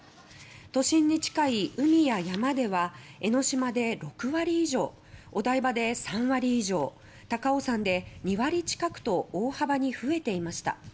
都心に近い海や山では江の島で６割以上お台場で３割以上高尾山で２割近くと大幅に増えていました。